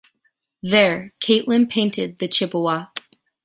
There, Catlin painted the Chippewa.